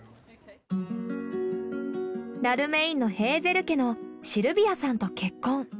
ダルメインのヘーゼル家のシルビアさんと結婚。